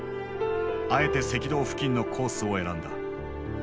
あえて赤道付近のコースを選んだ。